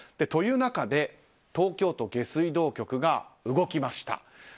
という中で東京都下水道局が動きました。